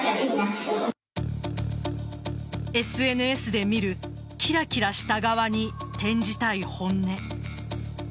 ＳＮＳで見るキラキラした側に展じたい本音。